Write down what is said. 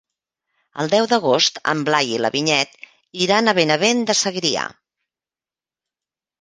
El deu d'agost en Blai i na Vinyet iran a Benavent de Segrià.